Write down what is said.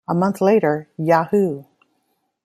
A month later, Yahoo!